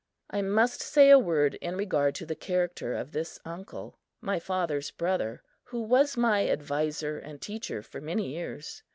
I must say a word in regard to the character of this uncle, my father's brother, who was my adviser and teacher for many years.